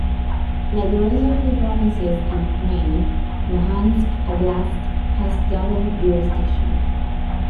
Like the rest of the provinces in Ukraine, Luhansk Oblast has double jurisdiction.